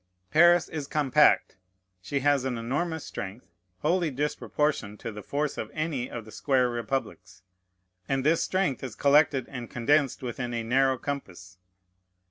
Paris is compact; she has an enormous strength, wholly disproportioned to the force of any of the square republics; and this strength is collected and condensed within a narrow compass.